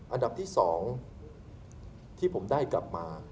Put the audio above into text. อันดับที่๒ที่ผมได้กลับมา